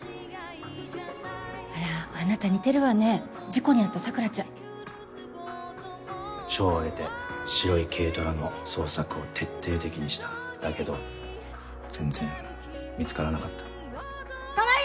あらあなた似てるわねぇ事故に遭署を挙げて白い軽トラの捜索を徹底的だけど全然見つからなかった川合！